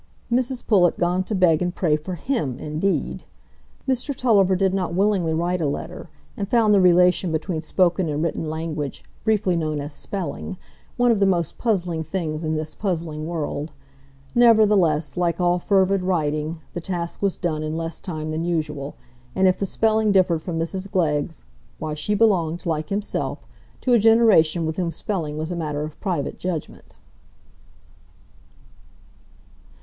Mrs Pullet gone to beg and pray for him indeed! Mr Tulliver did not willingly write a letter, and found the relation between spoken and written language, briefly known as spelling, one of the most puzzling things in this puzzling world. Nevertheless, like all fervid writing, the task was done in less time than usual, and if the spelling differed from Mrs Glegg's,—why, she belonged, like himself, to a generation with whom spelling was a matter of private judgment.